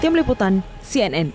tim liputan cnn